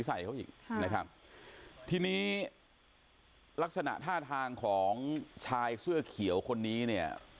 ใส่เขาอีกค่ะนะครับทีนี้ลักษณะท่าทางของชายเสื้อเขียวคนนี้เนี่ย